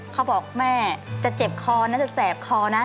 เขาบอกแม่จะเจ็บคอนั้นเสียบคอนั้น